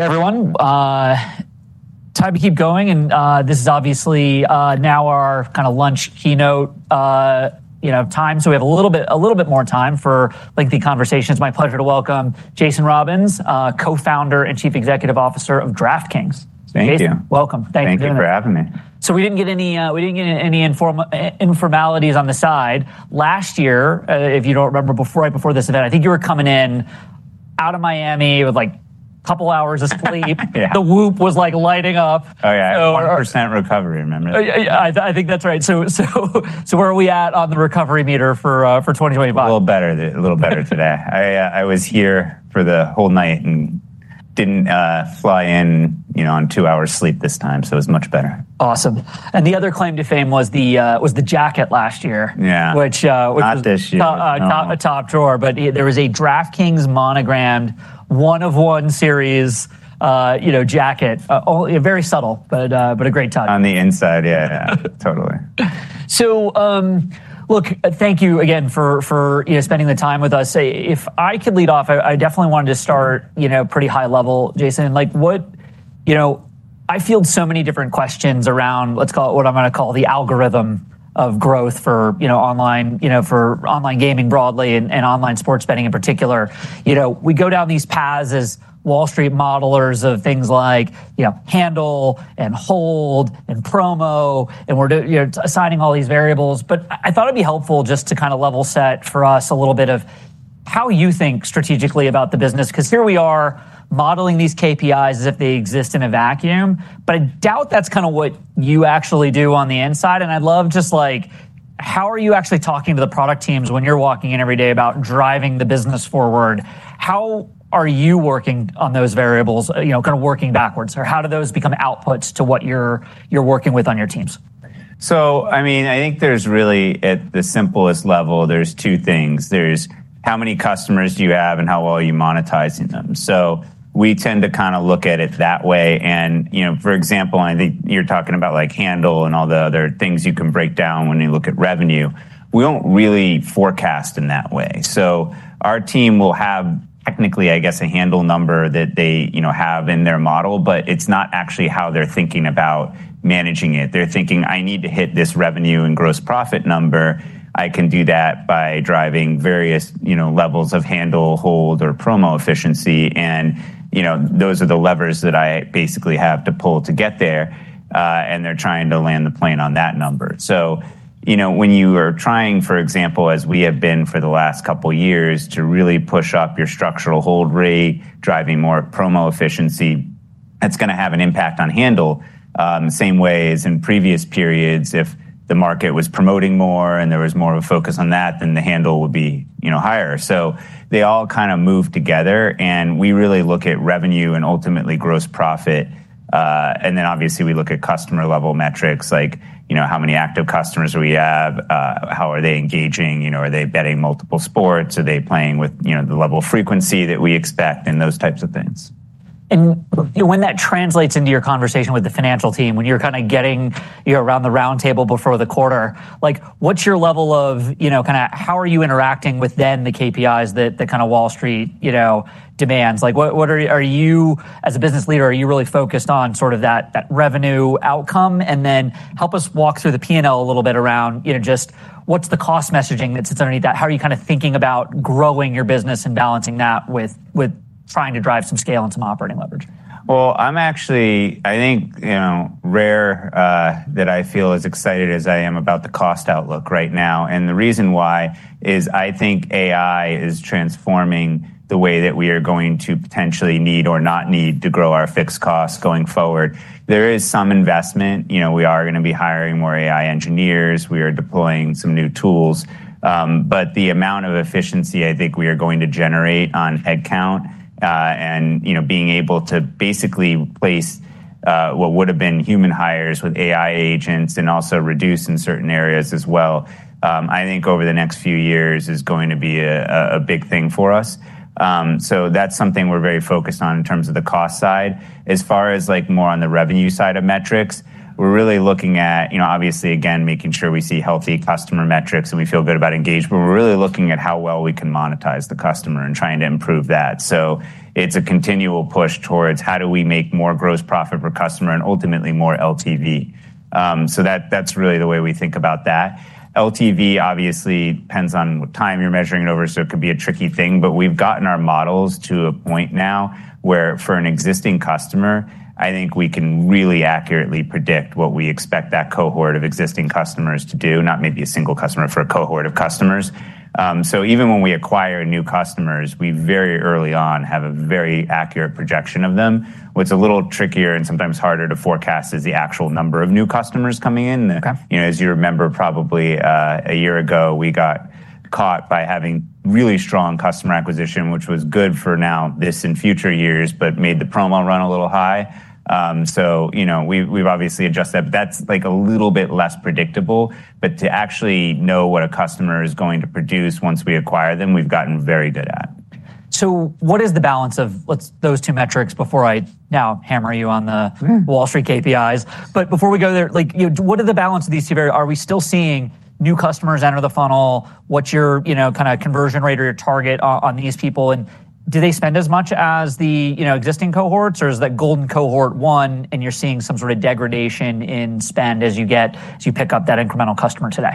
Everyone. Time to keep going, and this is obviously now our kinda lunch keynote, you know, time. So we have a little bit a little bit more time for lengthy conversations. My pleasure to welcome Jason Robbins, cofounder and chief executive officer of DraftKings. Thank Welcome. Thank you for having me. So we didn't get any we didn't get any informal informalities on the side. Last year, if you don't remember before right before this event, think you were coming in out of Miami with, like, couple hours of sleep. Yeah. The whoop was like lighting up. Oh, 1% recovery, remember. Yeah. I I think that's right. So so so where are we at on the recovery meter for for 2025? A little better a little better today. I I was here for the whole night and didn't fly in, you know, on two hours sleep this time, so it was much better. Awesome. And the other claim to fame was the was the jacket last year. Yeah. Which Not this year. Not a top drawer, but there was a DraftKings monogrammed one of one series, you know, jacket. Oh, very subtle, but but a great time. On the inside. Yeah. Yeah. Totally. So look. Thank you again for for, you know, spending the time with us. Say, if I could lead off, I I definitely wanted to start, you know, pretty high level, Jason. Like, what, you know, I field so many different questions around, let's call it, what I'm gonna call the algorithm of growth for, you know, online, you know, for online gaming broadly and and online sports betting in particular. You know, we go down these paths as Wall Street modelers of things like, you know, handle and hold and promo, and we're do you know, assigning all these variables. But I thought it'd be helpful just to kinda level set for us a little bit of how you think strategically about the business. Because here we are modeling these KPIs as if they exist in a vacuum, but I doubt that's kinda what you actually do on the inside. And I love just like, how are you actually talking to the product teams when you're walking in every day about driving the business forward? How are you working on those variables? You know, kind of working backwards or how do those become outputs to what you're you're working with on your teams? So I mean, I think there's really at the simplest level, there's two things. There's how many customers do you have and how well are you monetizing them. So we tend to kind of look at it that way and you know, for example, I think you're talking about like handle and all the other things you can break down when you look at revenue. We don't really forecast in that way. So our team will have technically, I guess, a handle number that they, you know, have in their model, but it's not actually how they're thinking about managing it. They're thinking, I need to hit this revenue and gross profit number. I can do that by driving various, you know, levels of handle hold or promo efficiency and, you know, those are the levers that I basically have to pull to get there, and they're trying to land the plane on that number. So, you know, when you are trying for example as we have been for the last couple years to really push up your structural hold rate driving more promo efficiency, that's gonna have an impact on handle. Same ways in previous periods if the market was promoting more and there was more of a focus on that, then the handle would be, you know, higher. So they all kind of move together and we really look at revenue and ultimately gross profit. And then obviously, we look at customer level metrics like, you know, how many active customers we have? How are they engaging? You know, are they betting multiple sports? Are they playing with, you know, the level of frequency that we expect in those types of things? And when that translates into your conversation with the financial team, when you're kind of getting around the roundtable before the quarter, like, what's your level of, you know, kinda how are you interacting with then the KPIs that that kinda Wall Street, you know, demands? Like, what what are you are you as a business leader, are you really focused on sort of that that revenue outcome? And then help us walk through the p and l a little bit around, you know, just what's the cost messaging that sits underneath that? How are you kind of thinking about growing your business and balancing that with with trying to drive some scale and some operating leverage? Well, I'm actually I think, you know, rare that I feel as excited as I am about the cost outlook right now. And the reason why is I think AI is transforming the way that we are going to potentially need or not need to grow our fixed costs going forward. There is some investment, you know, we are gonna be hiring more AI engineers. We are deploying some new tools. But the amount of efficiency I think we are going to generate on headcount and, you know, being able to basically place what would have been human hires with AI agents and also reduce in certain areas as well. I think over the next few years is going to be a big thing for us. So that's something we're very focused on in terms of the cost side. As far as like more on the revenue side of metrics, we're really looking at, you know, obviously again making sure we see healthy customer metrics and we feel good about engagement. We're really looking at how well we can monetize the customer and trying to improve that. So it's a continual push towards how do we make more gross profit per customer and ultimately more LTV. So that that's really the way we think about that. LTV obviously depends on what time you're measuring it over, so it could be a tricky thing. But we've gotten our models to a point now where for an existing customer, I think we can really accurately predict what we expect that cohort of existing customers to do, not maybe a single customer for a cohort of customers. So even when we acquire new customers, we very early on have a very accurate projection of them. What's a little trickier and sometimes harder to forecast is the actual number of new customers coming in. Okay. You know, as you remember probably a year ago, we got caught by having really strong customer acquisition, which was good for now this and future years, but made the promo run a little high. So, know, we've we've obviously adjusted that's like a little bit less predictable, but to actually know what a customer is going to produce once we acquire them, we've gotten very good at. So what is the balance of what's those two metrics before I now hammer you on the Wall Street KPIs? But before we go there, like, know, what are the balance of these two very are we still seeing new customers enter the funnel? What's your, you know, kind of conversion rate or your target on these people? And do they spend as much as the, you know, existing cohorts? Or is that golden cohort one and you're seeing some sort of degradation in spend as you get as you pick up that incremental customer today?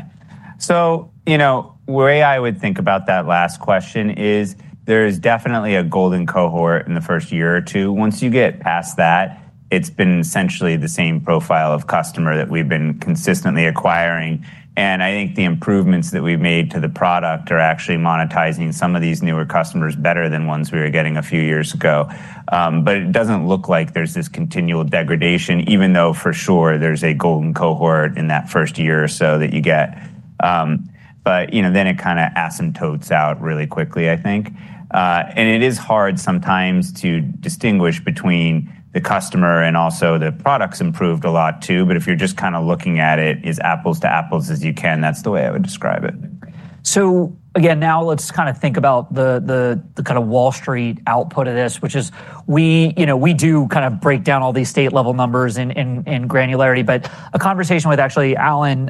So, know, way I would think about that last question is there is definitely a golden cohort in the first year or two. Once you get past that, it's been essentially the same profile of customer that we've been consistently acquiring. And I think the improvements that we've made to the product are actually monetizing some of these newer customers better than ones we were getting a few years ago. But it doesn't look like there's this continual degradation even though for sure there's a golden cohort in that first year or so that you get. But you know, then it kind of asymptotes out really quickly, I think. And it is hard sometimes to distinguish between the customer and also the products improved a lot too. But if you're just kind of looking at it is apples to apples as you can, that's the way I would describe it. So, again, now let's kind of think about the the the kind of Wall Street output of this, which is we, you know, we do kind of break down all these state level numbers in in in granularity. But a conversation with actually Alan,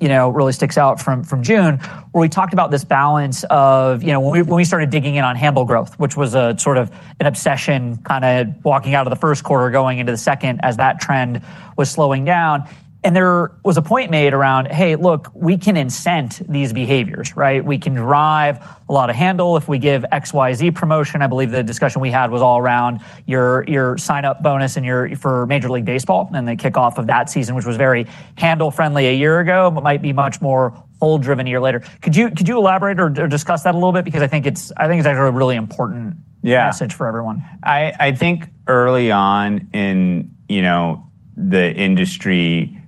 you know, really sticks out from from June. We talked about this balance of, you know, when we when we started digging in on handle growth, which was a sort of an obsession kinda walking out of the first quarter going into the second as that trend was slowing down. And there was a point made around, hey. Look. We can incent these behaviors. Right? We can drive a lot of handle if we give x y z promotion. I believe the discussion we had was all around your your sign up bonus and your for Major League Baseball, and they kick off of that season, which was very handle friendly a year ago, but might be much more full driven a year later. Could you could you elaborate or discuss that a little bit? Because I think it's I think it's actually a really important Yeah. Message for everyone. I I think early on in, you know, the industry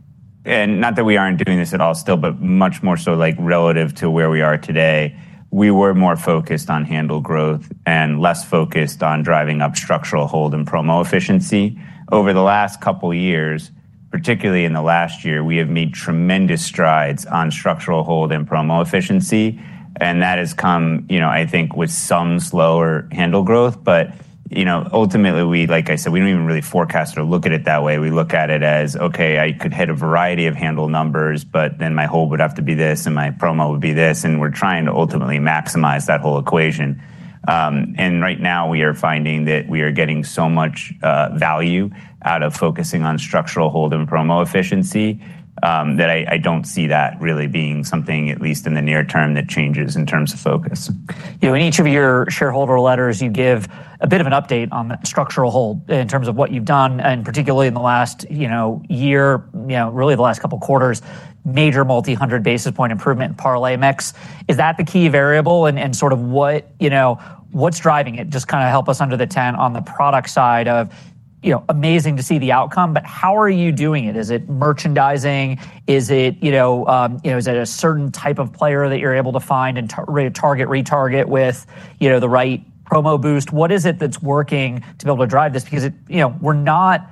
and not that we aren't doing this at all still, but much more so like relative to where we are today. We were more focused on handle growth and less focused on driving up structural hold and promo efficiency. Over the last couple years, particularly in the last year, we have made tremendous strides on structural hold and promo efficiency, and that has come, you know, I think with some slower handle growth, but, you know, ultimately we, like I said, we don't even really forecast or look at it that way. We look at it as, okay, I could hit a variety of handle numbers, but then my hold would have to be this, and my promo would be this, and we're trying to ultimately maximize that whole equation. And right now, we are finding that we are getting so much value out of focusing on structural hold and promo efficiency that I I don't see that really being something at least in the near term that changes in terms of focus. You know, in each of your shareholder letters, you give a bit of an update on the structural hold in terms of what you've done, and particularly in the last, you know, year, you know, really the last couple quarters, major multi 100 basis point improvement in parlay mix. Is that the key variable and and sort of what, you know, what's driving it? Just kinda help us under the tent on the product side of, you know, amazing to see the outcome. But how are you doing it? Is it merchandising? Is it, you know you know, is it a certain type of player that you're able to find and target retarget with, you know, the right promo boost? What is it that's working to be able to drive this? Because it you know, we're not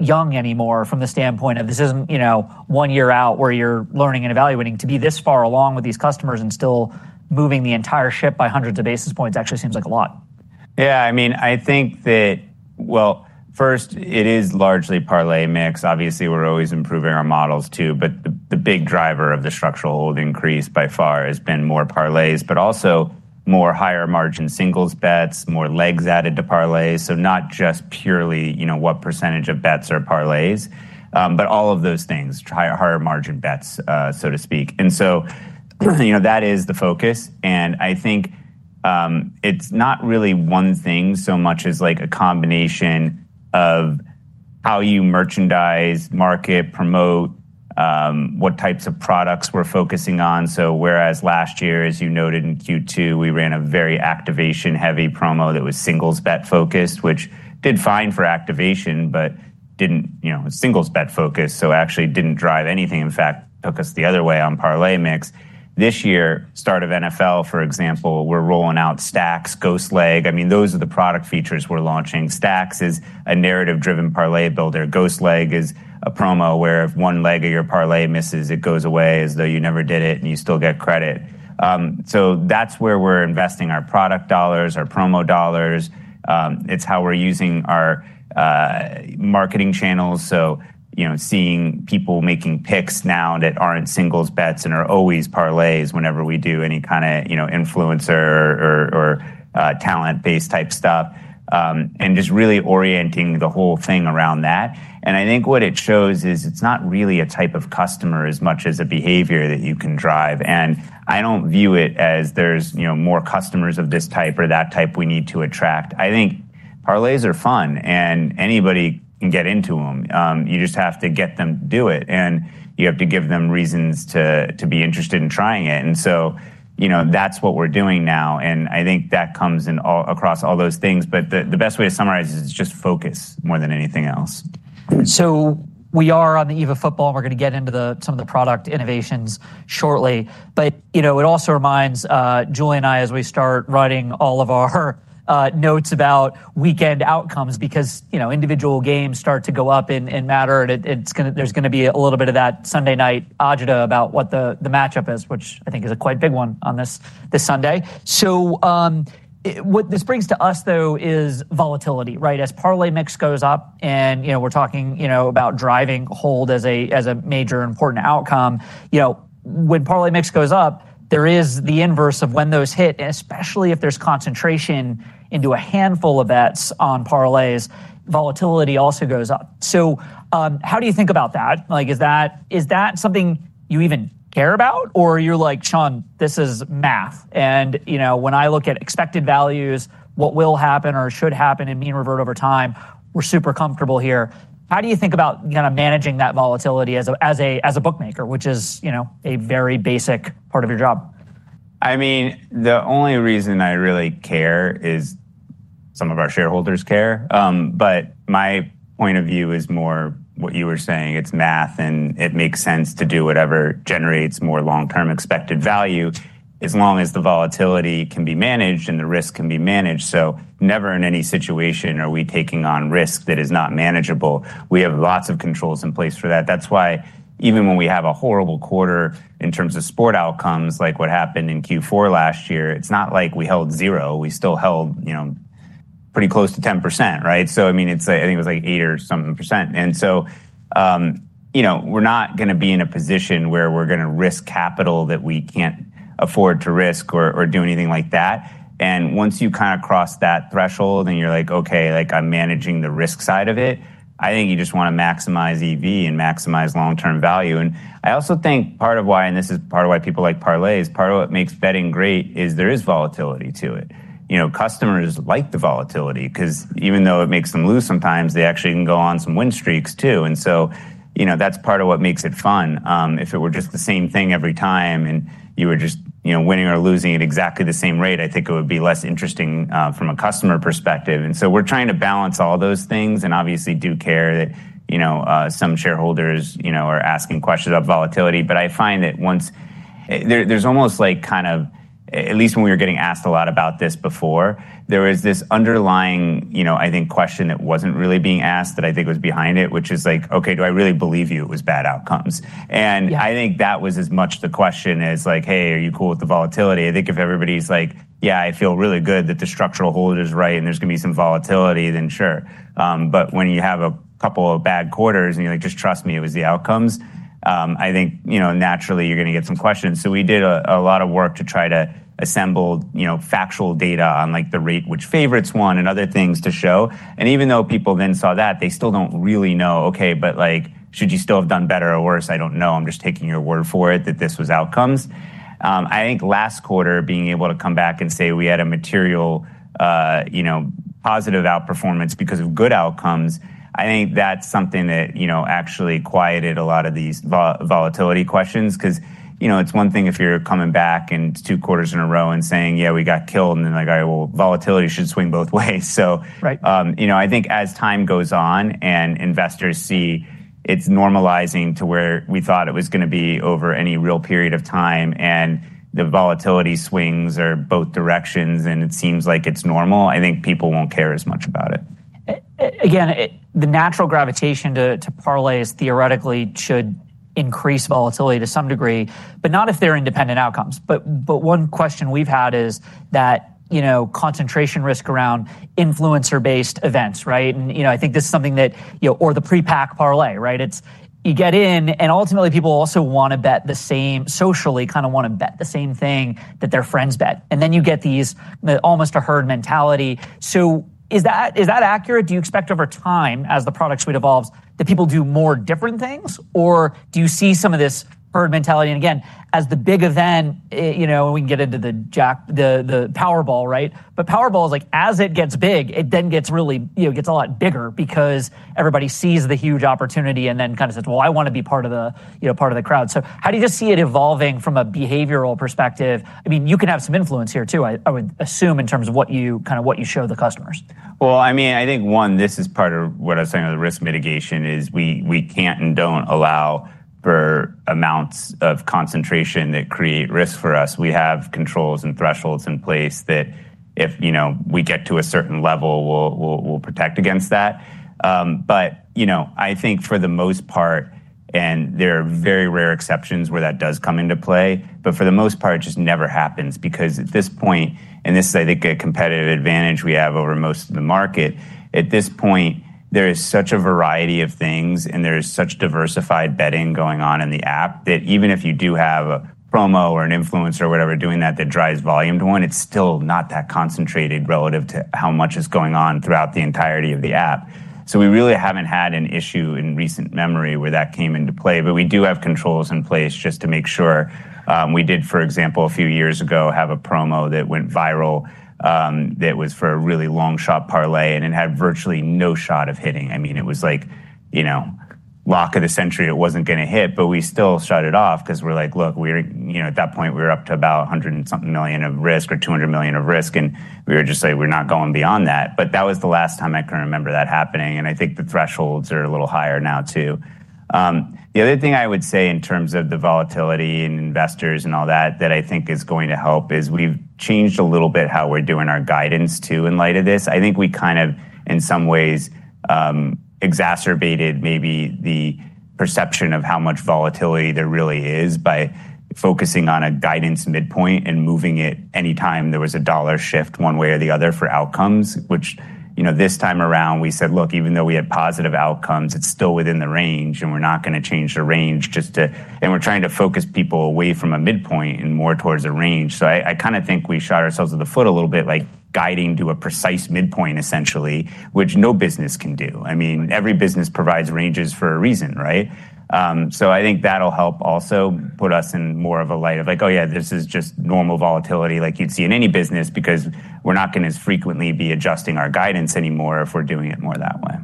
young anymore from the standpoint of this isn't, you know, one year out where you're learning and evaluating to be this far along with these customers and still moving the entire ship by hundreds of basis points actually seems like lot. Yeah. I mean, I think that well, first, it is largely parlay mix. Obviously, we're always improving our models too, but the the big driver of the structural hold increase by far has been more parlays, but also more higher margin singles bets, more legs added to parlays. So not just purely, you know, what percentage of bets are parlays, but all of those things, higher margin bets, so to speak. And so, you know, that is the focus, and I think it's not really one thing so much as like a combination of how you merchandise, market, promote, what types of products we're focusing on. So whereas last year as you noted in q two, we ran a very activation heavy promo that was singles bet focused, which did fine for activation, but didn't, you know, singles bet focus. So actually didn't drive anything in fact, took us the other way on parlay mix. This year, start of NFL, for example, we're rolling out stacks, ghost leg. I mean, those are the product features we're launching. Stacks is a narrative driven parlay builder. Ghost leg is a promo where if one leg of your parlay misses, it goes away as though you never did it and you still get credit. So that's where we're investing our product dollars, our promo dollars. It's how we're using our marketing channels. So, know, seeing people making pics now that aren't singles bets and are always whenever we do any kind of, you know, influencer or or talent based type stuff, and just really orienting the whole thing around that. And I think what it shows is it's not really a type of customer as much as a behavior that you can drive. And I don't view it as there's, you know, more customers of this type or that type we need to attract. I think parlays are fun and anybody can get into them. You just have to get them to do it and you have to give them reasons to to be interested in trying it. And so, you know, that's what we're doing now. And I think that comes in all across all those things, but the the best way to summarize is just focus more than anything else. So we are on the eve of football. We're gonna get into the some of the product innovations shortly. But, you know, it also reminds Julie and I as we start writing all of our notes about weekend outcomes because, you know, individual games start to go up in in matter. It it's gonna there's gonna be a little bit of that Sunday night about what the the matchup is, which I think is a quite big one on this this Sunday. So what this brings to us though is volatility. Right? As parlay mix goes up and, you know, we're talking, you know, about driving hold as a as a major important outcome. You know, when parlay mix goes up, there is the inverse of when those hit, especially if there's concentration into a handful of bets on parlays. Volatility also goes up. So how do you think about that? Like, is that is that something you even care about? Or you're like, Sean, this is math. And, you know, when I look at expected values, what will happen or should happen and mean revert over time, we're super comfortable here. How do you think about kinda managing that volatility as a as a as a bookmaker, which is, you know, a very basic part of your job? I mean, the only reason I really care is some of our shareholders care. But my point of view is more what you were saying, it's math and it makes sense to do whatever generates more long term expected value as long as the volatility can be managed and the risk can be managed. So never in any situation are we taking on risk that is not manageable. We have lots of controls in place for that. That's why even when we have a horrible quarter in terms of sport outcomes like what happened in q four last year, it's not like we held zero. We still held, you know, pretty close to 10%. Right? So I mean, it's like I think was like eight or something percent. And so, know, we're not gonna be in a position where we're gonna risk capital that we can't afford to risk or or do anything like that. And once you kind of cross that threshold and you're like, okay, like I'm managing the risk side of it. I think you just want to maximize EV and maximize long term value. And I also think part of why and this is part of why people like parlay is part of what makes betting great is there is volatility to it. You know, customers like the volatility because even though it makes them lose sometimes, they actually can go on some win streaks too. And so, you know, that's part of what makes it fun. If it were just the same thing every time and you were just winning or losing at exactly the same rate, think it would be less interesting from a customer perspective. And so we're trying to balance all those things and obviously do care that some shareholders are asking questions about volatility. But I find that once there's almost like kind of, at least when we were getting asked a lot about this before, there was this underlying, you know, I think question that wasn't really being asked that I think was behind it, which is like, okay, do I really believe you? It was bad outcomes. And Yeah. I think that was as much the question as like, hey, are cool you with the volatility? I think if everybody's like, yeah, I feel really good that the structural hold is right and there's gonna be some volatility, then sure. But when you have a couple of bad quarters and you're like, just trust me, it was the outcomes. I think, you know, naturally you're gonna get So we did a lot of work to try to assemble, you know, factual data on like the rate which favorites won and other things to show. And even though people then saw that, they still don't really know. Okay. But like, should you still have done better or worse? I don't know. I'm just taking your word for it that this was outcomes. I think last quarter being able to come back and say we had a material positive outperformance because of good outcomes, I think that's something that actually quieted a lot of these volatility questions. Because it's one thing if you're coming back and it's two quarters in a row and saying, yeah, we got killed and then I got, well, volatility should swing both ways. So Right. You know, I think as time goes on and investors see it's normalizing to where we thought it was gonna be over any real period of time and the volatility swings are both directions and it seems like it's normal. I think people won't care as much about it. Again, the natural gravitation to to parlay is theoretically should increase volatility to some degree, but not if they're independent outcomes. But but one question we've had is that, you know, concentration risk around influencer based events. Right? And, you know, I think this is something that you know, or the prepack parlay. Right? It's you get in, and, ultimately, people also wanna bet the same socially kinda wanna bet the same thing that their friends bet. And then you get these almost a herd mentality. So is that is that accurate? Do you expect over time as the product suite evolves that people do more different things, or do you see some of this bird mentality? And, again, as the big event, you know, we can get into the Jack the the Powerball. Right? But Powerball is, like, as it gets big, it then gets really you know, gets a lot bigger because everybody sees the huge opportunity and then kinda says, well, I wanna be part of the, part of the crowd. So how do you just see it evolving from a behavioral perspective? I mean, you can have some influence here too. I I would assume in terms of what you kind of what you show the customers. Well, I mean, I think one, this is part of what I was saying on the risk mitigation is we we can't and don't allow for amounts of concentration that create risk for us. We have controls and thresholds in place that if you know, we get to a certain level, we'll we'll we'll protect against that. But you know, I think for the most part and there are very rare exceptions where that does come into play, but for the most part it just never happens because at this point, and this is I think a competitive advantage we have over most of the market, at this point, there is such a variety of things and there is such diversified betting going on in the app that even if you do have a promo or an influencer or whatever doing that that drives volume to one, it's still not that concentrated relative to how much is going on throughout the entirety of the app. So we really haven't had an issue in recent memory where that came into play, but we do have controls in place just to make sure. We did, for example, a few years ago have a promo that went viral that was for a really long shot parlay, it had virtually no shot of hitting. I mean, was like, know, lock of the century it wasn't gonna hit, but we still shut it off because we're like, look, we're you know, at that point we were up to about a 100 and something million of risk or 200,000,000 of risk, and we were just saying we're not going beyond that. But that was the last time I can remember that happening and I think the thresholds are a little higher now too. The other thing I would say in terms of the volatility in investors and all that that I think is going to help is we've changed a little bit how we're doing our guidance too in light of this. I think we kind of in some ways exacerbated maybe the perception of how much volatility there really is by focusing on a guidance midpoint and moving it anytime there was a dollar shift one way or the other for outcomes, which, you know, this time around we said, look, even though we had positive outcomes, it's still within the range and we're not gonna change the range just to and we're trying to focus people away from a mid point and more towards a range. So I I kinda think we shot ourselves in the foot a little bit, like guiding to a precise mid point essentially, which no business can do. I mean, business provides ranges for a reason, right? So I think that'll help also put us in more of a light of like, oh, yeah. This is just normal volatility like you'd see in any business because we're not gonna as frequently be adjusting our guidance anymore if we're doing it more that way.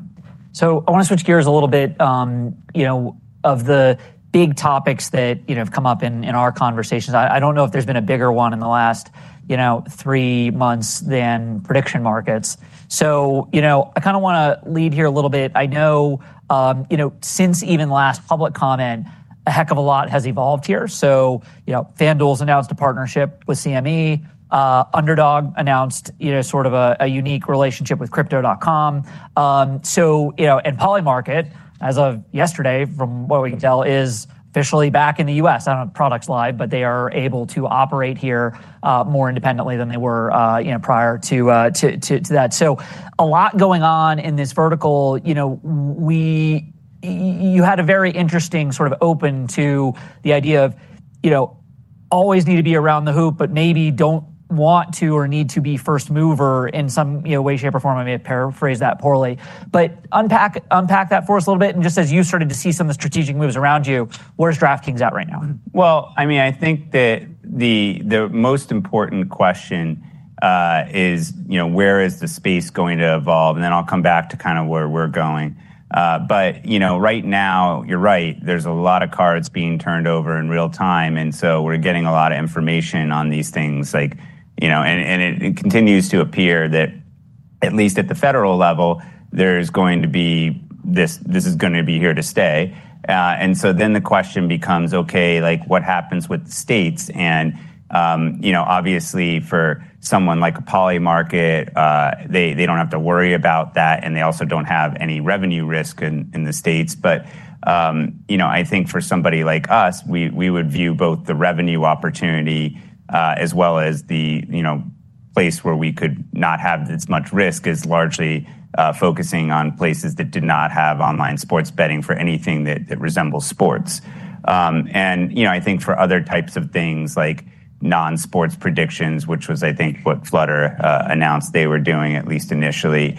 So I wanna switch gears a little bit, you know, of the big topics that, you know, have come up in in our conversations. I I don't know if there's been a bigger one in the last, you know, three months than prediction markets. So, you know, I kinda wanna leave here a little bit. I know, you know, since even last public comment, a heck of a lot has evolved here. So, you know, FanDuel's announced a partnership with CME. Underdog announced, you know, sort of a a unique relationship with crypto.com. So, you know, and Polymarket, as of yesterday, from what we can tell, is officially back in The US. I don't if products lie, but they are able to operate here more independently than they were, you know, prior to to to to that. So a lot going on in this vertical, you know, we you had a very interesting sort of open to the idea of, you know, always need to be around the hoop, but maybe don't want to or need to be first mover in some, you know, way, shape, or form. I may paraphrase that poorly but unpack unpack that for us a little bit and just as you started to see some of the strategic moves around you. Where's DraftKings at right now? Well, mean I think that the the most important question is, know, where is the space going to evolve? And then I'll come back to kind of where we're going. But, know, right now, you're right. There's a lot of cards being turned over in real time, and so we're getting a lot of information on these things like, you know, and it continues to appear that at least at the federal level, there's going to be this this is gonna be here to stay. And so then the question becomes, okay, like what happens with states? And you know, obviously for someone like a poly market, they they don't have to worry about that, and they also don't have any revenue risk in in the states. But, know, I think for somebody like us, we we would view both the revenue opportunity as well as the, you know, place where we could not have as much risk as largely focusing on places that did not have online sports betting for anything that that resembles sports. And, you know, I think for other types of things like non sports predictions, which was I think what Flutter announced they were doing at least initially.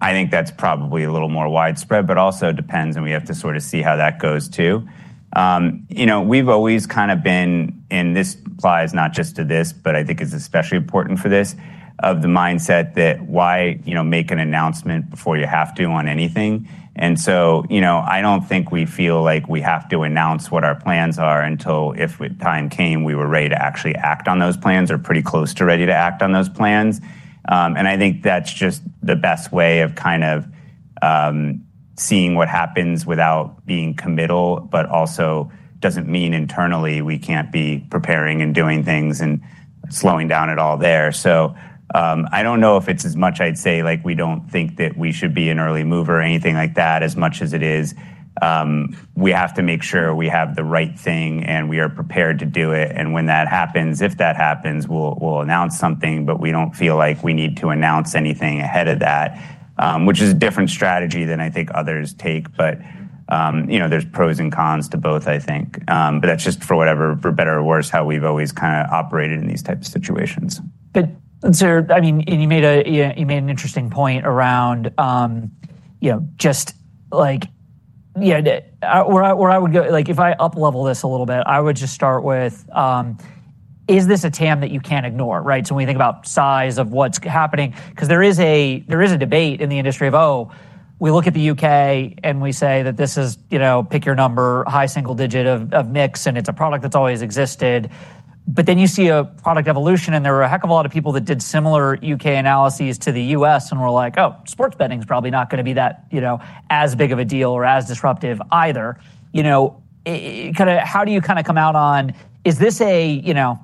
I think that's probably a little more widespread, but also depends and we have to sort of see how that goes too. You know, we've always kind of been and this applies not just to this, but I think it's especially important for this, of the mindset that why, you know, make an announcement before you have to on anything. And so, you know, I don't think we feel like we have to announce what our plans are until if time came we were ready to actually act on those plans or pretty close to ready to act on those plans. And I think that's just the best way of kind of seeing what happens without being committal, but also doesn't mean internally we can't be preparing and doing things and slowing down at all there. So I don't know if it's as much I'd say like we don't think that we should be an early mover or anything like that as much as it is. We have to make sure we have the right thing and we are prepared to do it. And when that happens, if that happens, we'll announce something, but we don't feel like we need to announce anything ahead of that, which is a different strategy than I think others take. But, you know, there's pros and cons to both, I think. But that's just for whatever for better or worse how we've always kind of operated in these types of situations. But, sir, I mean, and you made a made an interesting point around, you know, just like yeah. The where I where I would go like, if I up level this a little bit, I would just start with, is this a TAM that you can't ignore? Right? So when you think about size of what's happening because there is a there is a debate in the industry of, we look at The UK and we say that this is, you know, pick your number, high single digit of of mix, and it's a product that's always existed. But then you see a product evolution, and there were a heck of a lot of people that did similar UK analyses to The US, and we're like, oh, sports betting is probably not gonna be that, you know, as big of a deal or as disruptive either. You know? Kinda how do you kinda come out on is this a you know,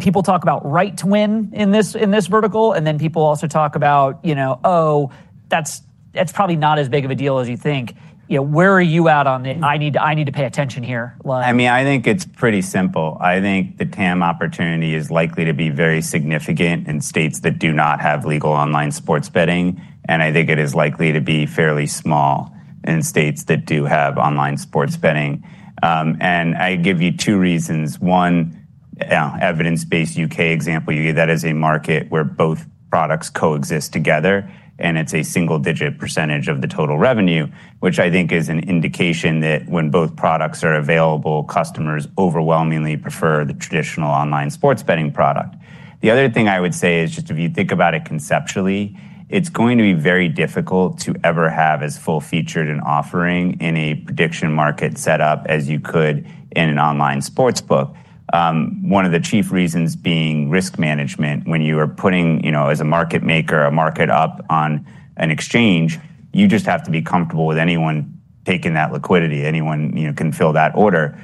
people talk about right to win in this in this vertical, and then people also talk about, you know, oh, that's that's probably not as big of a deal as you think. You know, where are you at on this? I need I need to pay attention here. Well I mean, I think it's pretty simple. I think the TAM opportunity is likely to be very significant in states that do not have legal online sports betting, And I think it is likely to be fairly small in states that do have online sports betting. And I give you two reasons. One, evidence based UK example you get that as a market where both products coexist together and it's a single digit percentage of the total revenue, which I think is an indication that when both products are available, customers overwhelmingly prefer the traditional online sports betting product. The other thing I would say is just if you think about it conceptually, it's going to be very difficult to ever have as full featured in offering in a prediction market setup as you could in an online sports book. One of the chief reasons being risk management when you are putting, know, as a market maker, a market up on an exchange, you just have to be comfortable with anyone taking that liquidity. Anyone, you know, can fill that order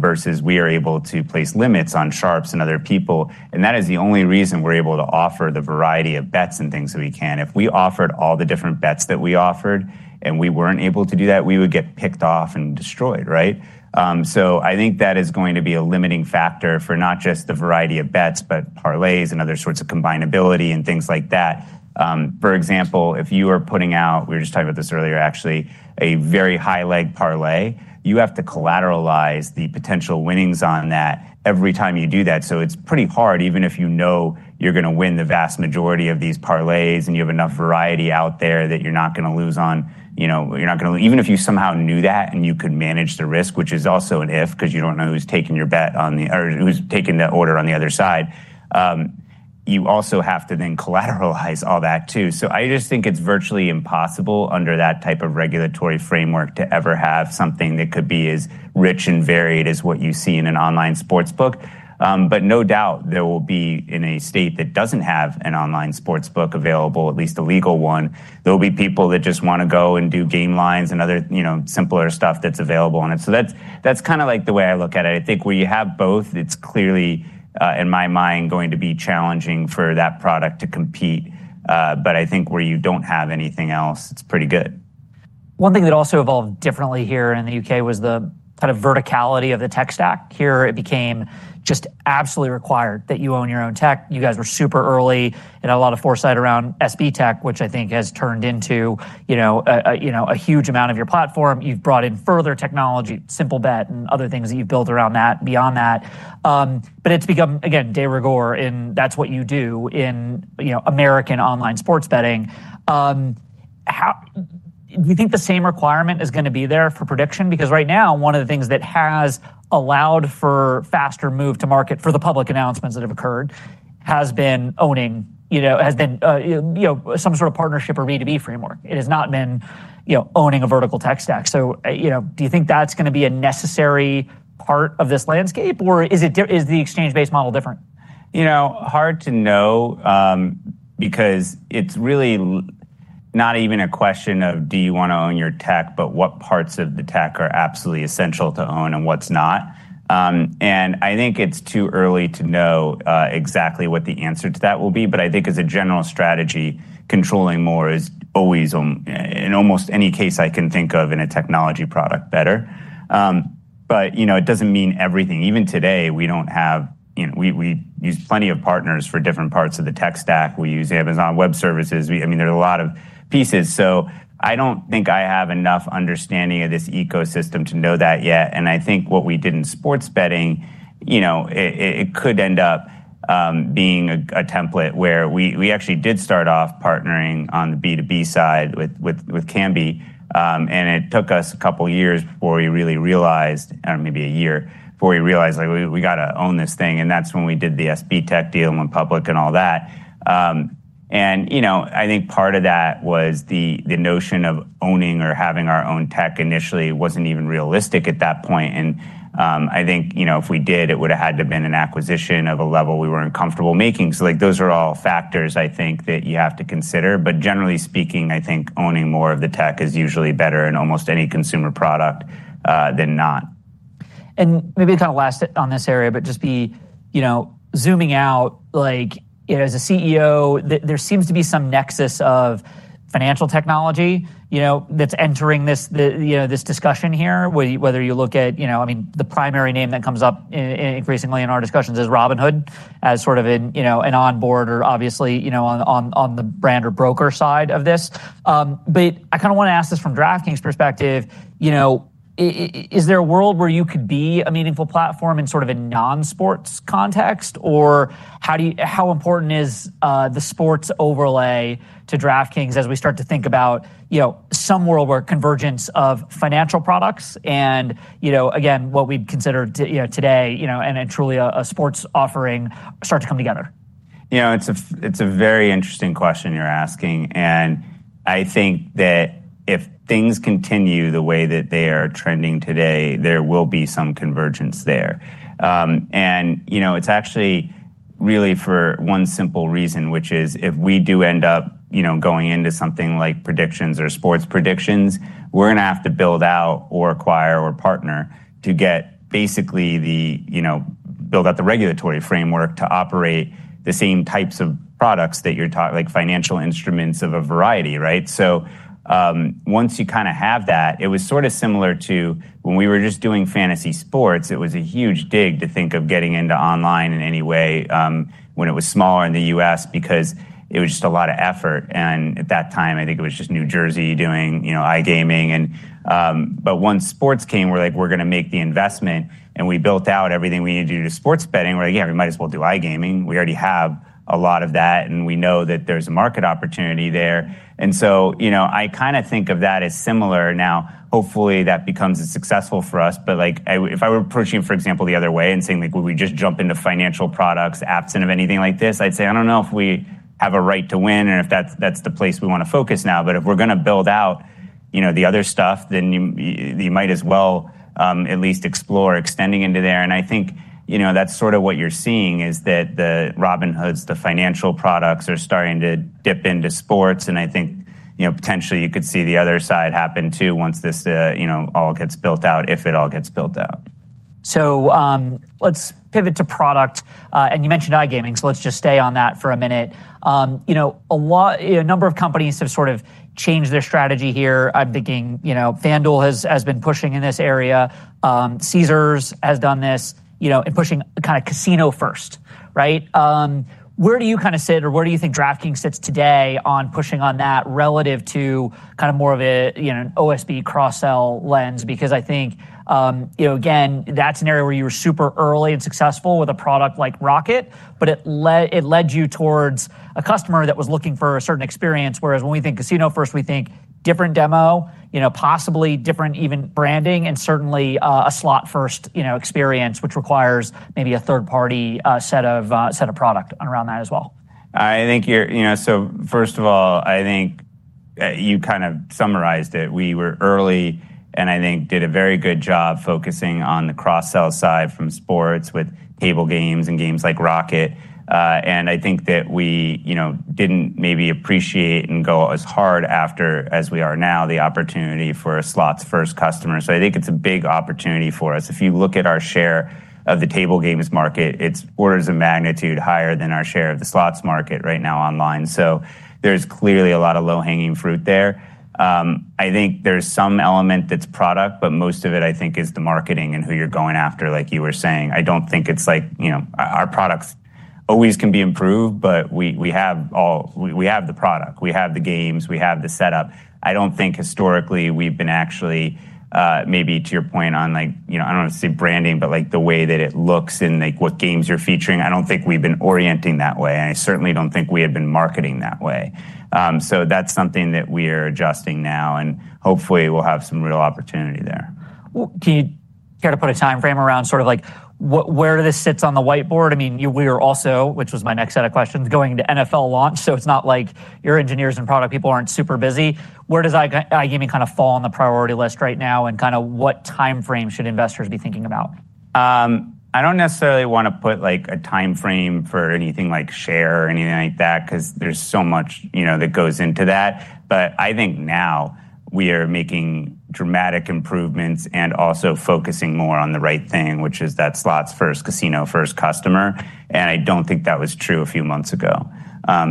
versus we are able to place limits on sharps and other people. And that is the only reason we're able to offer the variety of bets and things that we can. If we offered all the different bets that we offered and we weren't able to do that, we would get picked off and destroyed. Right? So I think that is going to be a limiting factor for not just the variety of bets, but parlays and other sorts of combinability and things like that. For example, if you are putting out, we were just talking about this earlier, actually, a very high leg parlay, you have to collateralize the potential winnings on that every time you do that. So it's pretty hard even if you know you're gonna win the vast majority of these parlays and you have enough variety out there that you're not gonna lose You're not gonna Even if you somehow knew that and you could manage the risk, is also an if because you don't know who's taking your bet on the who's taking the order on the other side, you also have to then collateralize all So I just think it's virtually impossible under that type of regulatory framework to ever have something that could be as rich and varied as what you see in an online sports book. But no doubt there will be in a state that doesn't have an online sports book available, at least a legal one. There'll be people that just wanna go and do game lines and other, you know, simpler stuff that's available on it. So that's that's kinda like the way I look at it. I think we have both. It's clearly in my mind going to be challenging for that product to compete. But I think where you don't have anything else, it's pretty good. One thing that also evolved differently here in The UK was the kind of verticality of the tech stack. Here, it became just absolutely required that you own your own tech. You guys were super early and a lot of foresight around SP Tech, which I think has turned into, you know, a a, you know, a huge amount of your platform. You've brought in further technology, simple bet, and other things that you build around that beyond that. But it's become, again, de rigueur in that's what you do in, you know, American online sports betting. How do you think the same requirement is gonna be there for prediction? Because right now, one of the things that has allowed for faster move to market for the public announcements that have occurred has been owning, you know, has been, you know, some sort of partnership or b to b framework. It has not been, you know, owning a vertical tech stack. So, you know, do you think that's gonna be a necessary part of this landscape or is it is the exchange based model different? You know, hard to know because it's really not even a question of do you wanna own your tech, but what parts of the tech are absolutely essential to own and what's not. And I think it's too early to know exactly what the answer to that will be. But I think as a general strategy, controlling more is always in almost any case I can think of in a technology product better. But you know, it doesn't mean everything. Even today, we don't have you know, we we use plenty of partners for different parts of the tech stack. We use Amazon Web Services. We I mean, there are a lot of pieces. So I don't think I have enough understanding of this ecosystem to know that yet. And I think what we did in sports betting, you know, it could end up being a template where we we actually did start off partnering on the b to b side with with with Camby. And it took us a couple years before we really realized, or maybe a year, before we realized like we we gotta own this thing. And that's when we did the SB Tech deal and went public and all that. And you know, I think part of that was the the notion of owning or having our own tech initially wasn't even realistic at that point. And I think, you know, if we did it would have had to been an acquisition of a level we weren't comfortable making. So like those are all factors I think that you have But generally speaking, I think owning more of the tech is usually better in almost any consumer product than not. And maybe kind of last on this area, but just be, know, zooming out like you know, as a CEO, there seems to be some nexus of financial technology, you know, that's entering this the, you know, this discussion here. Whether you look at, you know, I mean, the primary name that comes up increasingly in our discussions is Robinhood as sort of an, you know, an onboard or obviously, you know, on on on the brand or broker side of this. But I kinda wanna ask this from DraftKings perspective. You know, is there a world where you could be a meaningful platform in sort of a nonsports context? Or how do you how important is the sports overlay to DraftKings as we start to think about, you know, some world where convergence of financial products and, you know, again, what we'd consider, you know, today, you know, and then truly a a sports offering start to come together? You know, it's a it's a very interesting question you're asking. And I think that if things continue the way that they are trending today, there will be some convergence there. And, know, it's actually really for one simple reason which is if we do end up, you know, going into something like predictions or sports predictions, we're gonna have to build out or acquire or partner to get basically the, know, build out the regulatory framework to operate the same types of products that you're taught, like financial instruments of a variety. Right? So once you kind of have that, it was sort of similar to when we were just doing fantasy sports, it was a huge dig to think of getting into online in any way when it was smaller in The US because it was just a lot of effort. And at that time, I think it was just New Jersey doing, you know, iGaming. And But once sports came, we're like, we're gonna make the investment, and we built out everything we needed to do to sports betting, yeah, we might as well do iGaming. We already have a lot of that, and we know that there's a market opportunity there. And so, you know, I kind of think of that as similar. Now, hopefully, that becomes successful for us, but like, if I were approaching, for example, the other way and saying like, would we just jump into financial products absent of anything like this? I'd say, don't know if we have a right to win or if that's the place we want to focus now. But if we're going to build out the other stuff, then you might as well at least explore extending into there. And I think that's sort of what you're seeing is that the Robin Hoods, the financial products are starting to dip into sports. And I think potentially you could see the other side happen too once this all gets built out, if it all gets built out. So let's pivot to product. And you mentioned iGaming, so let's just stay on that for a minute. You know, a lot a number of companies have sort of changed their strategy here. I'm thinking, you know, FanDuel has has been pushing in this area. Caesars has done this, you know, and pushing kinda casino first. Right? Where do you kinda sit, or where do you think DraftKings sits today on pushing on that relative to kinda more of a, you know, an OSB cross sell lens? Because I think, you know, again, that's an area where you were super early and successful with a product like Rocket, but it led it led you towards a customer that was looking for a certain experience. Whereas when we think casino first, we think different demo, you know, possibly different even branding and certainly a slot first, you know, experience which requires maybe a third party set of set of product around that as well. I think you're you know, so first of all, I think you kind of summarized it. We were early and I think did a very good job focusing on the cross sell side from sports with table games and games like Rocket. And I think that we, you know, didn't maybe appreciate and go as hard after as we are now the opportunity for a slots first customer. So I think it's a big opportunity for us. If you look at our share of the table games market, it's orders of magnitude higher than our share of the slots market right now online. So there's clearly a lot of low hanging fruit there. I think there's some element that's product, but most of it I think is the marketing and who you're going after like you were saying. I don't think it's like, know, our products always can be improved, but we we have all we we have the product. We have the games. We have the setup. I don't think historically we've been actually maybe to your point on like, you know, I don't see branding, but like the way that it looks and like what games you're featuring. I don't think we've been orienting that way. I certainly don't think we have been marketing that way. So that's something that we are adjusting now and hopefully, we'll have some real opportunity there. Well, can you gotta put a time frame around sort of like what where do this sits on the whiteboard? I mean, you we are also, which was my next set of questions, going to NFL launch. So it's not like your engineers and product people aren't super busy. Where does iGaming kind of fall on the priority list right now and kind of what time frame should investors be thinking about? I don't necessarily wanna put like a time frame for anything like share or anything like that because there's so much, you know, that goes into that. But I think now we are making dramatic improvements and also focusing more on the right thing, which is that slots first casino first customer, and I don't think that was true a few months ago.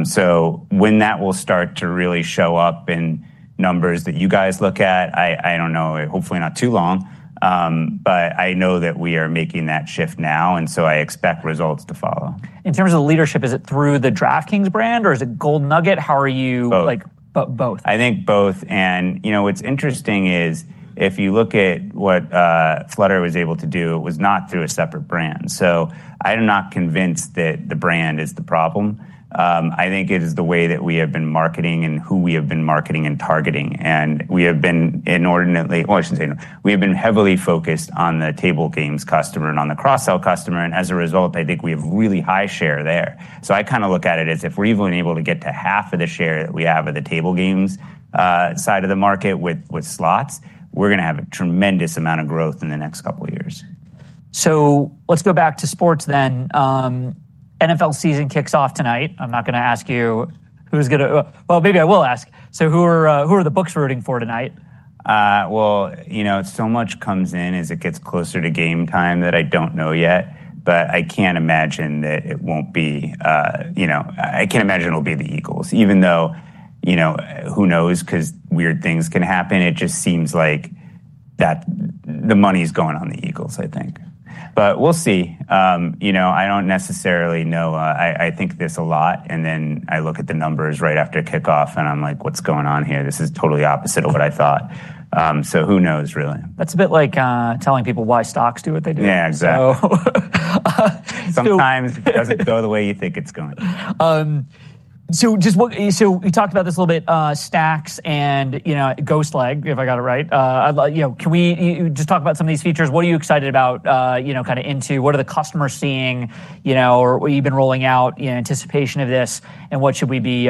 So when that will start to really show up in numbers that you guys look at, I I don't know. Hopefully not too long. But I know that we are making that shift now, and so I expect results to follow. In terms of leadership, is it through the DraftKings brand or is it gold nugget? How are you Oh. Like both. I think both. And you know, what's interesting is if you look at what Flutter was able to do, it was not through a separate brand. So I am not convinced that the brand is the problem. I think it is the way that we have been marketing and who we have been marketing and targeting. And we have been inordinately well, I shouldn't say no. We have been heavily focused on the table games customer and on the cross sell customer. And as a result, I think we have really high share there. So I kind of look at it as if we're even able to get to half of the share that we have at the table games side of the market with with slots, we're gonna have a tremendous amount of growth in the next couple years. So let's go back to sports then. NFL season kicks off tonight. I'm not gonna ask you who's gonna well, maybe I will ask. So who are who are the books rooting for tonight? Well, you know, so much comes in as it gets closer to game time that I don't know yet, but I can't imagine that it won't be, you know, I can't imagine it'll be the Eagles even though, know, who knows because weird things can happen. It just seems like that the money is going on the Eagles, I think. But we'll see. You know, I don't necessarily know. I I think this a lot and then I look at the numbers right after kickoff and I'm like, what's going on here? This is totally opposite of what I thought. So who knows really? It's a bit like telling people why stocks do what they do. Yeah. Exactly. Sometimes it doesn't go the way you think it's going. So just what so we talked about this a little bit stacks and, you know, ghost lag I'd like know, can we you you just talk about some of these features. What are you excited about, you know, kinda into? What are the customers seeing, you know, or what you've been rolling out in anticipation of this? And what should we be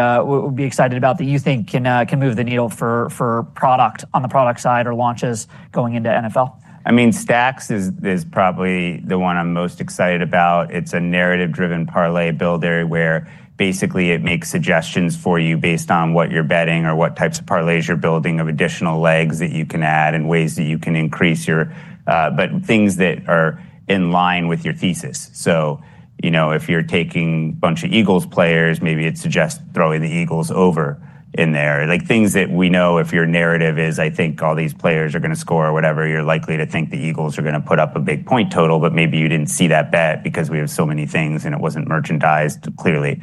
be excited about that you think can can move the needle for for product on the product side or launches going into NFL? I mean, stacks is is probably the one I'm most excited about. It's a narrative driven parlay build area where basically it makes suggestions for you based on what you're betting or what types of parlays you're building of additional legs that you can add and ways that you can increase your But things that are in line with your thesis. So, you know, if you're taking bunch of Eagles players, maybe it suggests throwing the Eagles over in there. Like things that we know if your narrative is I think all these players are gonna score or whatever, you're likely to think the Eagles are gonna put up a big point total, but maybe you didn't see that bet because we have so many things and it wasn't merchandised clearly.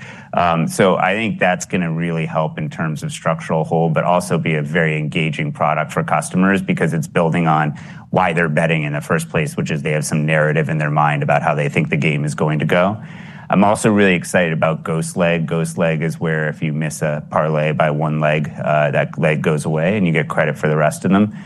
So I think that's gonna really help in terms of structural hole, but also be a very engaging product for customers because it's building on why they're betting in the first place, which is they have some narrative in their mind about how they think the game is going to go. I'm also really excited about Ghostleg. Ghostleg is where if you miss a parlay by one leg, that leg goes away and you get credit for the rest of them.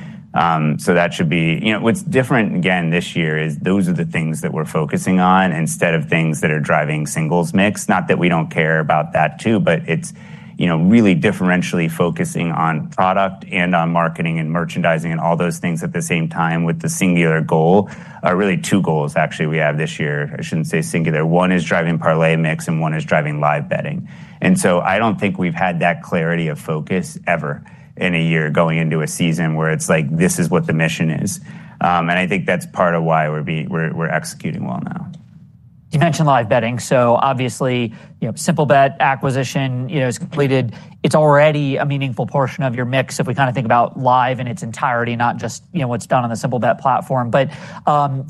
So that should be you know, what's different again this year is those are the things that we're focusing on instead of things that are driving singles mix. Not that we don't care about that too, but it's, you know, really differentially focusing on product and on marketing and merchandising and all those things at the same time with the singular goal. Are really two goals actually we have this year. I shouldn't say singular. One is driving parlay mix and one is driving live betting. And so I don't think we've had that clarity of focus ever in a year going into a season where it's like this is what the mission is. And I think that's part of why we're be we're we're executing well now. You mentioned live betting. So obviously, you know, bet acquisition, you know, is completed. It's already a meaningful portion of your mix if we kind of think about live in its entirety, not just you know, what's done on the simple bet platform. But,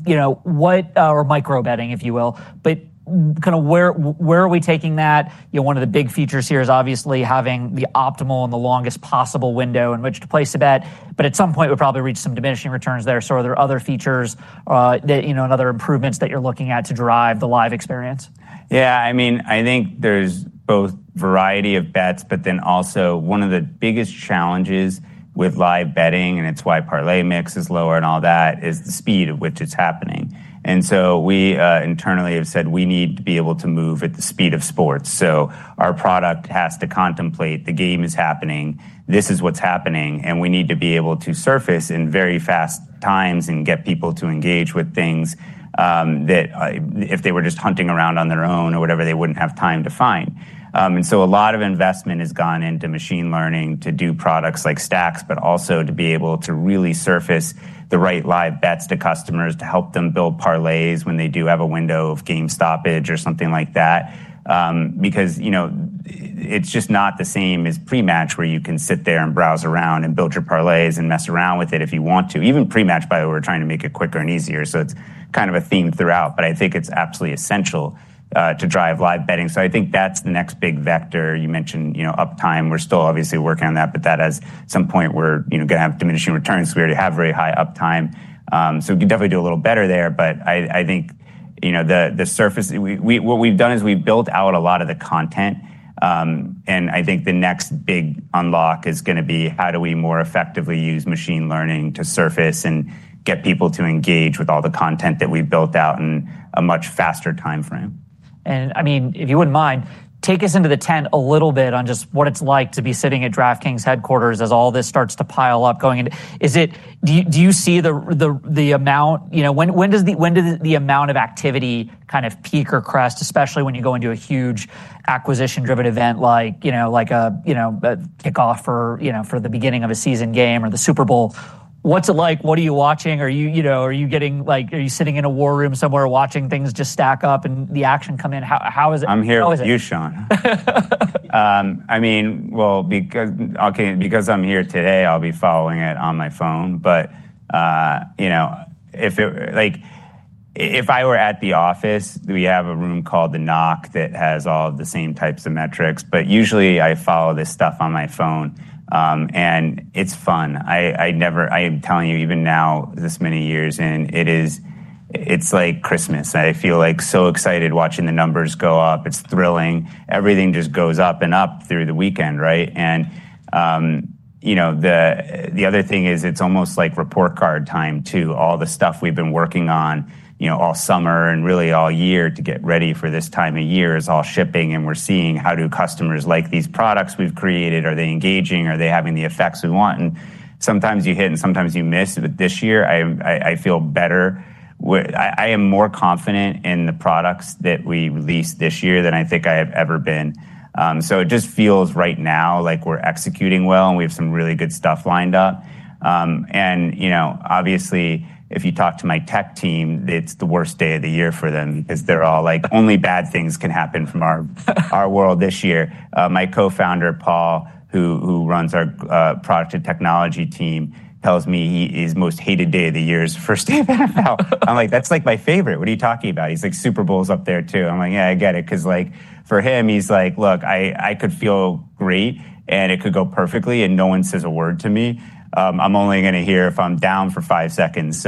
you know, what or micro betting, if you will. But kinda where where are we taking that? You know, one of the big features here is obviously having the optimal and the longest possible window in which to place a bet. At But some point, we'll probably reach some diminishing returns there. So are there other features that, you know, and other improvements that you're looking at to drive the live experience? Yeah. I mean, I think there's both variety of bets, but then also one of the biggest challenges with live betting and it's why parlay mix is lower and all that is the speed at which it's happening. And so we internally have said we need to be able to move at the speed of sports. So our product has to contemplate the game is happening. This is what's happening, and we need to be able to surface in very fast times and get people to engage with things that if they were just hunting around on their own or whatever they wouldn't have time to find. And so a lot of investment has gone into machine learning to do products like stacks, but also to be able to really surface the right live bets to customers to help them build parlays when they do have a window of game stoppage or something like that. Because, you know, it's just not the same as pre match where you can sit there and browse around and build your parlays and mess around with it if you want to. Even pre match by the way, we're trying to make it quicker and easier. So it's kind of a theme throughout, but I think it's absolutely essential to drive live betting. So I think that's the next big vector. You mentioned, you know, uptime. We're obviously working on that, but that has some point where, you know, gonna have diminishing returns. We already have very high uptime. So we can definitely do a little better there, but I I think, you know, the the surface we we what we've done is we built out a lot of the content, And I think the next big unlock is gonna be how do we more effectively use machine learning to surface and get people to engage with all the content that we built out in a much faster time frame. And I mean, if you wouldn't mind, take us into the tent a little bit on just what it's like to be sitting at DraftKings headquarters as all this starts to pile up going into is it do you do you see the the the amount you know, when when does the when does the amount of activity kind of peak or crest, especially when you go into a huge acquisition driven event like, you know, like a, you know, a kickoff for, you know, for the beginning of a season game or the Super Bowl? What's it like? What are you watching? Are you, you know, are you getting like, are you sitting in a war room somewhere watching things just stack up and the action come in? How how is it? I'm here. How is it? You, Sean. I mean, well, because okay. Because I'm here today, I'll be following it on my phone. But, know, if it like, if I were at the office, we have a room called the NOC that has all of the same types of metrics, but usually I follow this stuff on my phone, and it's fun. I I never I am telling you even now, this many years in, it is It's like Christmas. I feel like so excited watching the numbers go up. It's thrilling. Everything just goes up and up through the weekend. Right? And the other thing is it's almost like report card time too. All the stuff we've been working all summer and really all year to get ready for this time of year is all shipping and we're seeing how do customers like these products we've created. Are they engaging? Are they having the effects we want? And sometimes you hit and sometimes you miss. But this year, I I feel better. I I am more confident in the products that we released this year than I think I have ever been. So it just feels right now like we're executing well, and we have some really good stuff lined up. And, know, obviously, if you talk to my tech team, it's the worst day of the year for them because they're all like only bad things can happen from our world this year. My co founder Paul, who who runs our product and technology team tells me he is most hated day of the year is first day of that. I'm like, that's like my favorite. What are you talking about? He's like Super Bowls up there too. I'm like, yeah, I get it because like for him, he's like, look, I I could feel great and it could go perfectly and no one says a word to me. I'm only gonna hear if I'm down for five seconds.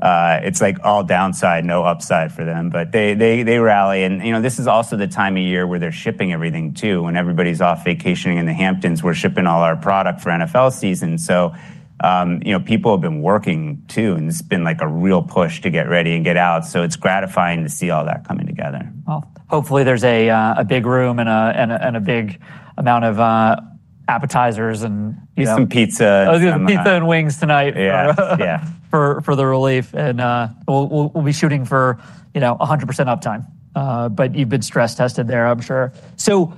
It's like all downside, no upside for them. But they they they rally and you know, is also the time of year where they're shipping everything too. When everybody's off vacationing in the Hamptons, we're shipping all our product for NFL season. So know, people have been working too, and it's been like a real push to get ready and get out. So it's gratifying to see all that coming together. Well, hopefully, there's a a big room and a and a big amount of appetizers and know, some pizza. Pizza and wings tonight. Yeah. Yeah. For for the relief. And we'll we'll we'll be shooting for, you know, a 100% uptime. But you've been stress tested there, I'm sure. So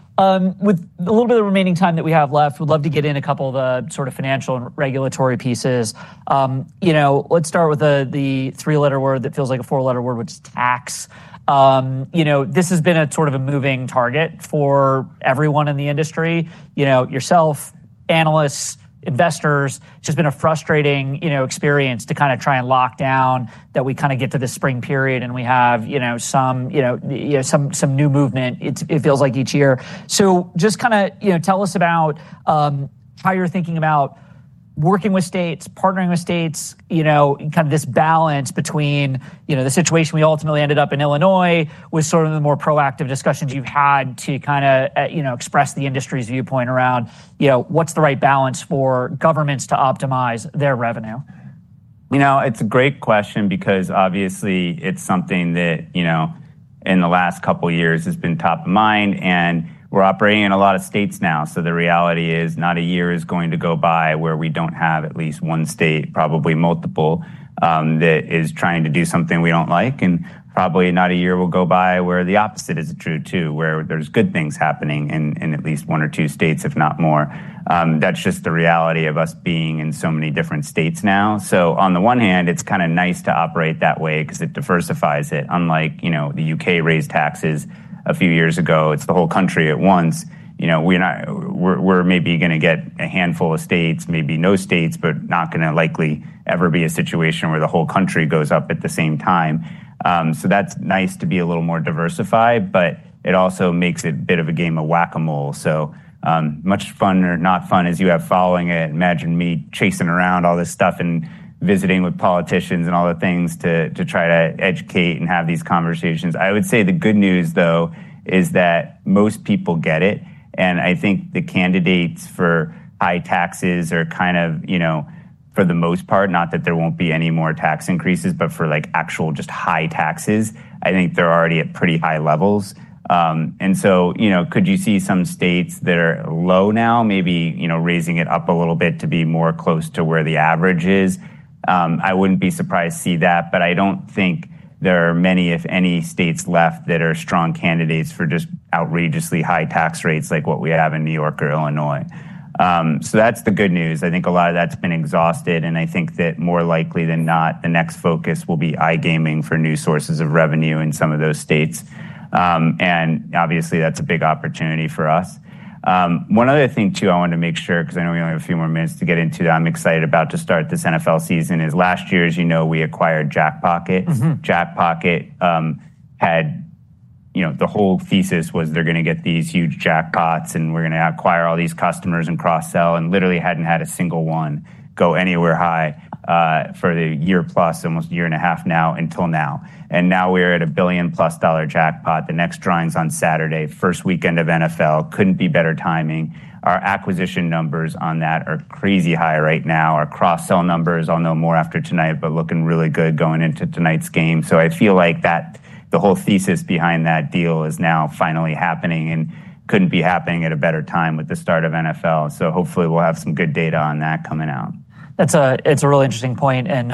with a little bit of remaining time that we have left, we'd love to get in a couple of the sort of financial and regulatory pieces. You know, let's start with the the three letter word that feels like a four letter word, which is tax. You know, this has been a sort of a moving target for everyone in the industry. You know, yourself, analysts, investors, it's just been a frustrating, you know, experience to kinda try and lock down that we kinda get to the spring period, and we have, you know, some, you know, you know, some some new movement. It's it feels like each year. So just kinda, you know, tell us about how you're thinking about working with states, partnering with states, you know, in kind of this balance between, you know, the situation we ultimately ended up in Illinois with sort of the more proactive discussions you've had to kinda, you know, express the industry's viewpoint around, you know, what's the right balance for governments to optimize their revenue? You know, it's a great question because, obviously, it's something that, you know, in the last couple years has been top of mind, and we're operating in a lot of states now. So the reality is not a year is going to go by where we don't have at least one state, probably multiple, that is trying to do something we don't like. And probably not a year will go by where the opposite is true too, where there's good things happening in in at least one or two states, if not more. That's just the reality of us being in so many different states now. So on the one hand, it's kinda nice to operate that way because it diversifies it. Unlike, you know, The UK raised taxes a few years ago, it's the whole country at once. You know, we're not we're we're maybe gonna get a handful of states, maybe no states, but not gonna likely ever be a situation where the whole country goes up at the same time. So that's nice to be a little more diversified, but it also makes it a bit of a game of whack a mole. So much fun or not fun as you have following it. Imagine me chasing around all this stuff and visiting with politicians and all the things to to try to educate and have these conversations. I would say the good news though is that most people get it, and I think the candidates for high taxes are kind of, you know, for the most part, not that there won't be any more tax increases, but for like actual just high taxes, I think they're already at pretty high levels. And so, know, could you see some states that are low now, maybe, you know, raising it up a little bit to be more close to where the average is? I wouldn't be surprised to see that, but I don't think there are many, if any, states left that are strong candidates for just outrageously high tax rates like what we have in New York or Illinois. So that's the good news. I think a lot of that's been exhausted, and I think that more likely than not, the next focus will be iGaming for new sources of revenue in some of those states. And obviously, that's a big opportunity for us. One other thing too, want to make sure because I know we only have a few more minutes to get into that. I'm excited about to start this NFL season is last year as you know, we acquired Jackpockets. Mhmm. Jackpocket had the whole thesis was they're gonna get these huge jackpots and we're gonna acquire all these customers and cross sell and literally hadn't had a single one go anywhere high for the year plus, almost year and a half now until now. And now we're at a billion plus dollar jackpot. The next drawing's on Saturday, first weekend of NFL, couldn't be better timing. Our acquisition numbers on that are crazy high right now. Our cross sell numbers, I'll know more after tonight, but looking really good going into tonight's game. So I feel like that the whole thesis behind that deal is now finally happening and couldn't be happening at a better time with the start of NFL. So hopefully, we'll have some good data on that coming out. That's a it's a really interesting point. And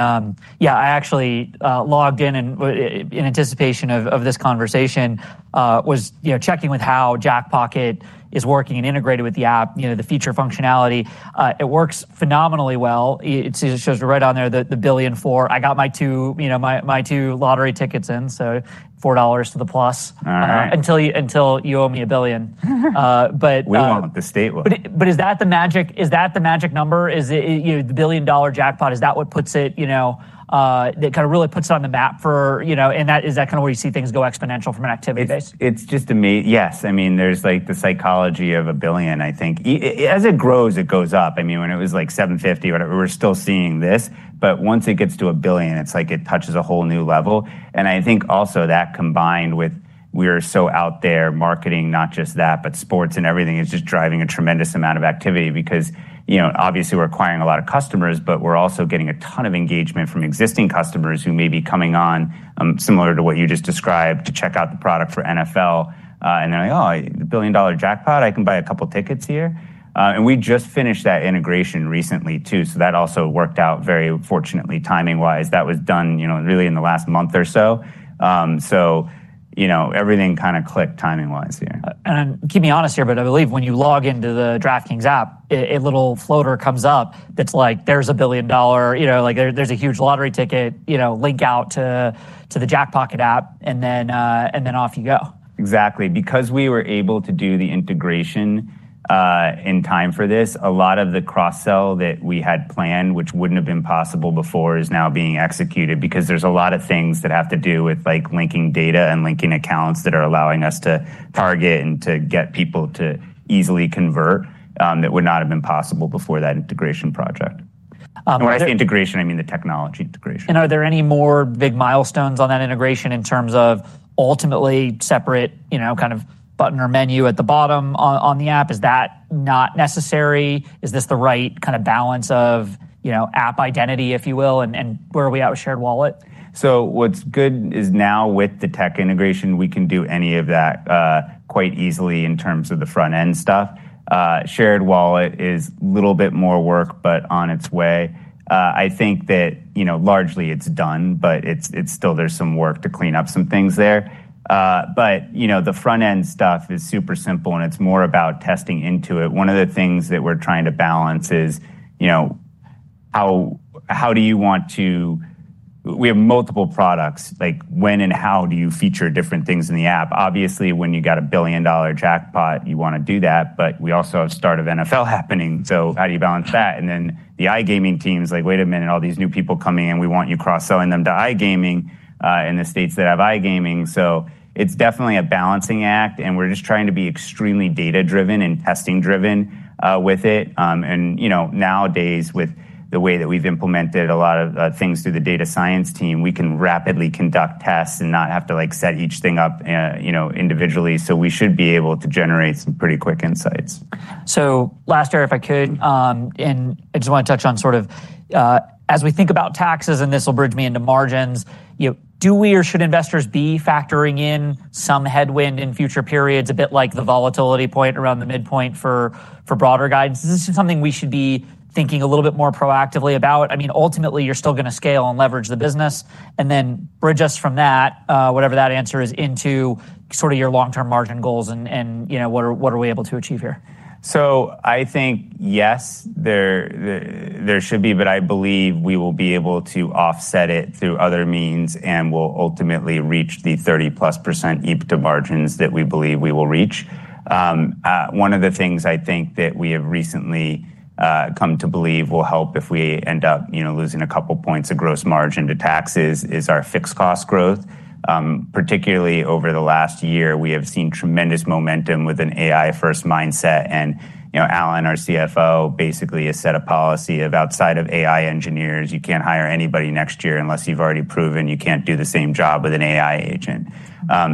yeah, I actually logged in and in anticipation of of this conversation was, you know, checking with how Jackpocket is working and integrated with the app, you know, the feature functionality. It works phenomenally well. It it shows shows right on there that the billion 4. I got my two, you know, my my two lottery tickets in, so $4 to the plus Uh-huh. Until you until you owe me a billion. But We want what the state was. But but is that the magic is that the magic number? Is it you know, the billion dollar jackpot, is that what puts it, you know, that kinda really puts on the map for, you know, and that is that kinda where you see things go exponential from an activity base? It's just a I mean, there's like the psychology of a billion, I think. As it grows, it goes up. I mean, when it was like $7.50 or whatever, we're still seeing this. But once it gets to a billion, it's like it touches a whole new level. And I think also that combined with we are so out there marketing, not just that, but sports and everything is just driving a tremendous amount of activity because obviously we're acquiring a lot of customers, but we're also getting a ton of engagement from existing customers who may be coming on similar to what you just described to check out the product for NFL. And then I, oh, the billion dollar jackpot, I can buy a couple tickets here. And we just finished that integration recently too. So that also worked out very fortunately timing wise. That was done, you know, really in the last month or so. So, you know, everything kinda clicked timing wise here. Keep me honest here, but I believe when you log into the DraftKings app, a little floater comes up that's like, there's a billion dollar, you know, like, there there's a huge lottery ticket, you know, link out to to the jack pocket app, and then and then off you go. Exactly. Because we were able to do the integration in time for this, a lot of the cross sell that we had planned, which wouldn't have been possible before, is now being executed. Because there's a lot of things that have to do with, linking data and linking accounts that are allowing us to target and to get people to easily convert that would not have been possible before that integration project. Integration, I mean the technology integration. And are there any more big milestones on that integration in terms of ultimately separate, you know, kind of button or menu at the bottom on the app? Is that not necessary? Is this the right kind of balance of, you know, app identity if you will? And and where are we at with Shared Wallet? So what's good is now with the tech integration, we can do any of that quite easily in terms of the front end stuff. Shared wallet is little bit more work but on its way. I think that, you know, largely it's done but it's it's still there's some work to clean up some things there. But, you know, the front end stuff is super simple and it's more about testing into it. One of the things that we're trying to balance is, you know, how how do you want to we have multiple products, like, and how do you feature different things in the app? Obviously, when you got a billion dollar jack pot, you want to do that, but we also have start of NFL happening. So how do you balance that? And then the iGaming team's like, wait a minute, all these new people coming in, we want you cross selling them to iGaming in the states that have iGaming. So it's definitely a balancing act, and we're just trying to be extremely data driven and testing driven with it. Nowadays, with the way that we've implemented a lot of things through the data science team, we can rapidly conduct tests and not have to like set each thing up, you know, individually. So we should be able to generate some pretty quick insights. So last area if I could, and I just wanna touch on sort of as we think about taxes and this will bridge me into margins. You do we or should investors be factoring in some headwind in future periods a bit like the volatility point around the midpoint for for broader guidance? This is something we should be thinking a little bit more proactively about. I mean, ultimately, you're still gonna scale and leverage the business and then bridge us from that, whatever that answer is, into sort of your long term margin goals and and, you know, what are what are we able to achieve here? So I think, yes, there there should be, but I believe we will be able to off set it through other means and we'll ultimately reach the 30 plus percent EBITDA margins that we believe we will reach. One of the things I think that we have recently come to believe will help if we end up, you know, losing a couple points of gross margin to taxes is our fixed cost growth. Particularly over the last year, we have seen tremendous momentum with an AI first mindset. And Alan, our CFO, basically has set a policy of outside AI engineers. You can't hire anybody next year unless you've already proven you can't do the same job with an AI agent.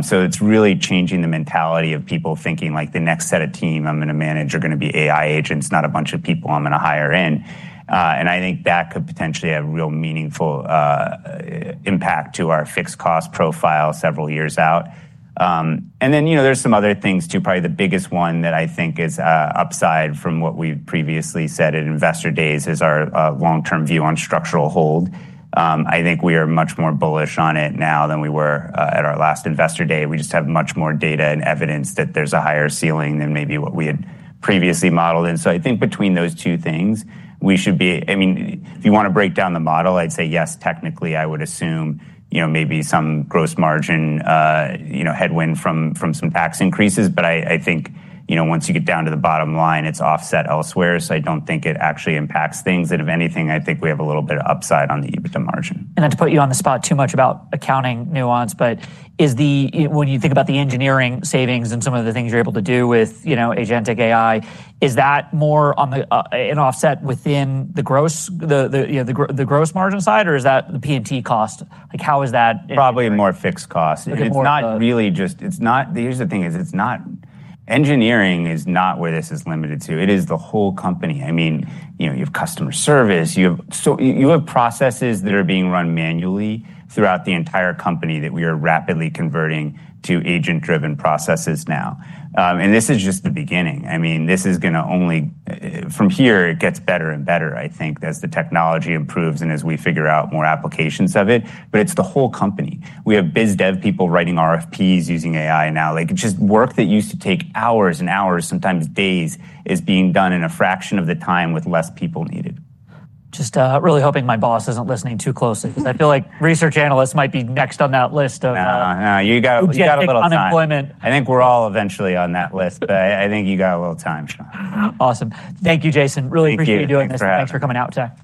So it's really changing the mentality of people thinking like the next set of team I'm gonna manage are gonna be AI agents, not a bunch of people I'm gonna hire in. And I think that could potentially have real meaningful impact to our fixed cost profile several years out. And then, know, there's some other things too. Probably the biggest one that I think is upside from what we've previously said at investor days is our long term view on structural hold. I think we are much more bullish on it now than we were at our last investor day. We just have much more data and evidence that there's a higher ceiling than maybe what we had previously modeled. And so I think between those two things, we should be I mean, if you wanna break down the model, I'd say yes, technically, I would assume maybe some gross margin headwind from some tax increases. But I think you know, once you get down to the bottom line, it's offset elsewhere. So I don't think it actually impacts things. And if anything, I think we have a little bit of upside on the EBITDA margin. And then to put you on the spot too much about accounting nuance, but is the when you think about the engineering savings and some of the things you're able to do with, you know, agentic AI, is that more on the an offset within the gross the the you know, the the gross margin side or is that the p and t cost? Like, is that Probably more fixed cost. Really just it's not the here's the thing is it's not engineering is not where this is limited to. It is the whole company. I mean, you know, you have customer service, you have so you have processes that are being run manually throughout the entire company that we are rapidly converting to agent driven processes now. And this is just the beginning. I mean, this is gonna only from here, it gets better and better, I think, as the technology improves and as we figure out more applications of it. But it's the whole company. We have biz dev people writing RFPs using AI now. Like, it's just work that used to take hours and hours, sometimes days, is being done in a fraction of the time with less people needed. Just really hoping my boss isn't listening too closely because I feel like research analysts might be next on that list of No. No. You got Oops. You got a little time. Employment. I think we're all eventually on that list, but I I think you got a little time, Sean. Awesome. Thank you, Jason. Really appreciate you doing Thanks coming out, Jack.